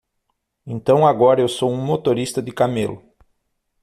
Então agora eu sou um motorista de camelo.